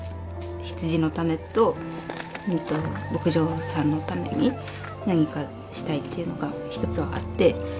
羊のためと牧場さんのために何かしたいっていうのが一つはあって。